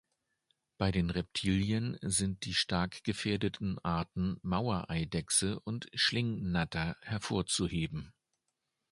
Bei den Reptilien sind die stark gefährdeten Arten Mauereidechse und Schlingnatter hervorzuheben.